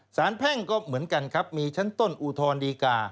แพ่งก็เหมือนกันครับมีชั้นต้นอุทธรณดีกา